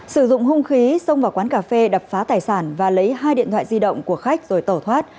sử dụng hung khí xông vào quán cà phê đập phá tài sản và lấy hai điện thoại di động của khách rồi tẩu thoát